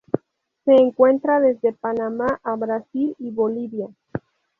Se encuentra desde Panamá a Brasil y Bolivia.